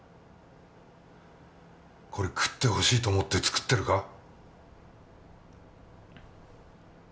これ食ってほしいと思って作ってるか？